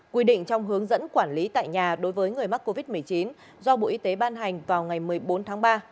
quy định trong hướng dẫn quản lý tại nhà đối với người mắc covid một mươi chín do bộ y tế ban hành vào ngày một mươi bốn tháng ba